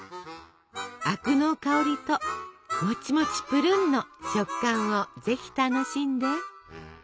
灰汁の香りともちもちぷるんの食感をぜひ楽しんで！